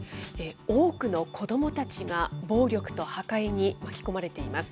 多くの子どもたちが暴力と破壊に巻き込まれています。